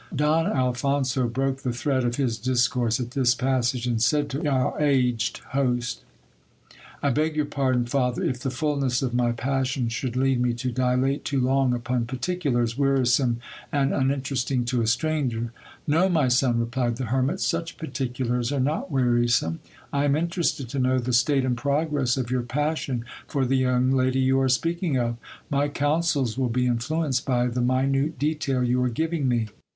1 62 GIL BLAS. Don Alphonso broke the thread of his discourse at this passage, and said to our aged host : I beg your pardon, father, if the fulness of" my passion should lead me to dilate too long upon particulars, wearisome and uninteresting to a stranger. No, my son, replied the hermit, such particulars are not wearisome : 1 am interested to know the state and progress of your passion for the young lady you are speaking of ; my counsels will be influenced by the minute detail you are giving me.